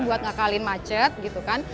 buat ngakalin macet gitu kan